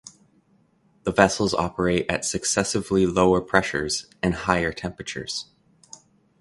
The vessels operate at successively lower pressures and higher temperatures.